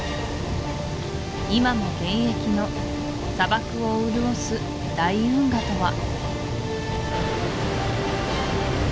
今も現役の砂漠を潤す大運河とは？